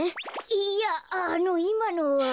いやあのいまのは。